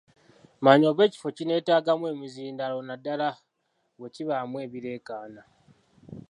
Manya oba ekifo kineetaagamu emizindaalo naddala bwe kibaamu ebireekaana.